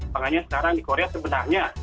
makanya sekarang di korea sebenarnya